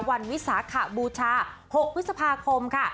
วิสาขบูชา๖พฤษภาคมค่ะ